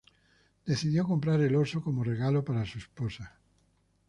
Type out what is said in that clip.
Decidió comprar el oso como regalo para su esposa.